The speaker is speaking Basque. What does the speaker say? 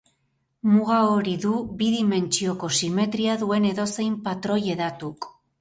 Muga hori du bi dimentsioko simetria duen edozein patroi hedatuk.